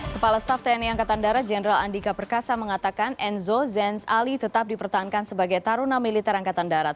kepala staff tni angkatan darat jenderal andika perkasa mengatakan enzo zenz ali tetap dipertahankan sebagai taruna militer angkatan darat